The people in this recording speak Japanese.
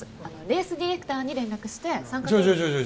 レースディレクターに連絡してちょちょちょ